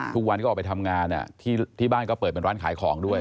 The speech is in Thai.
ทุกวันก็ออกไปทำงานที่บ้านก็เปิดเป็นร้านขายของด้วย